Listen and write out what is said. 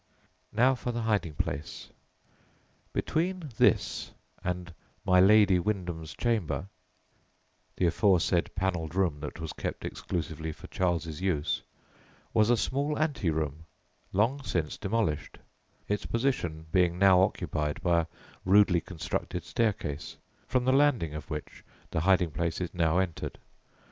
Now for the hiding place. Between this and "my Lady Wyndham's chamber" (the aforesaid panelled room that was kept exclusively for Charles's use) was a small ante room, long since demolished, its position being now occupied by a rudely constructed staircase, from the landing of which the hiding place is now entered.